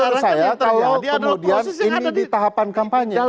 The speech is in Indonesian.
menurut saya kalau kemudian ini di tahapan kampanye